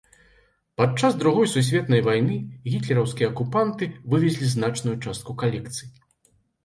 Падчас другой сусветнай вайны гітлераўскія акупанты вывезлі значную частку калекцыі.